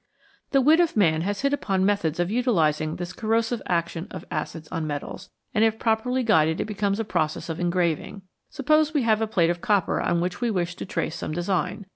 The wit of man has hit upon methods of utilising this corrosive action of acids on metals, and if properly guided it becomes a process of engraving. Suppose we have a plate of copper on which we wish to trace some design.